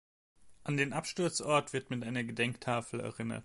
An den Absturzort wird mit einer Gedenktafel erinnert.